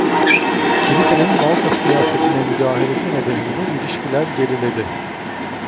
"Kilisenin Malta siyasetine müdahalesi nedeniyle ilişkiler geriledi"